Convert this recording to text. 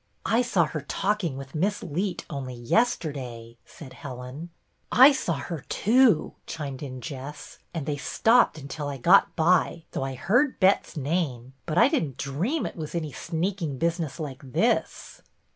" I saw her talking with Miss Leet only yesterday," said Helen. "I saw her, too," chimed in Jess, "and they stopped until I got by, though I heard Bet's name ; but I did n't dream it was any sneaking business like this."